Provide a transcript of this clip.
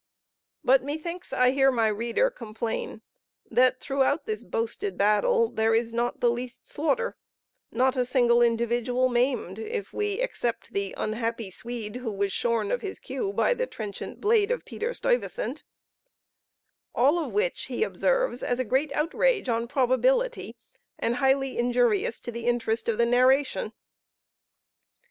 But methinks I hear my reader complain that throughout this boasted battle there is not the least slaughter, nor a single individual maimed, if we except the unhappy Swede, who was shorn of his queue by the trenchant blade of Peter Stuyvesant; all of which, he observes, as a great outrage on probability, and highly injurious to the interest of the narration.